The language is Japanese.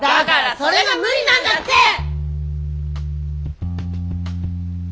だからそれが無理なんだって！